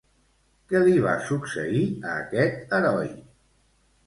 Què li va succeir a aquest heroi?